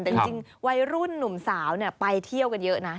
แต่จริงวัยรุ่นหนุ่มสาวไปเที่ยวกันเยอะนะ